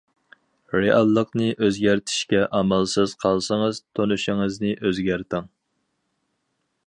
رېئاللىقنى ئۆزگەرتىشكە ئامالسىز قالسىڭىز، تونۇشىڭىزنى ئۆزگەرتىڭ.